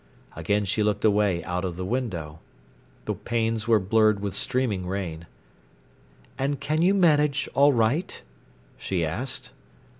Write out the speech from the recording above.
Again she looked away out of the window. The panes were blurred with streaming rain. "And can you manage all right?" she asked.